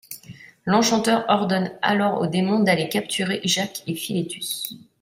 L'enchanteur ordonne alors aux démons d'aller capturer Jacques et Philétus.